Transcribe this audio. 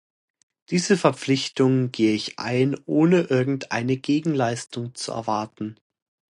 Diese Verpflichtung gehe ich ein, ohne irgendeine Gegenleistung zu erwarten.